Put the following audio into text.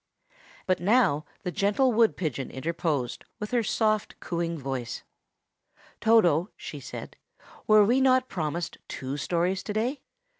But now the gentle wood pigeon interposed, with her soft, cooing voice. "Toto," she said, "were we not promised two stories to day?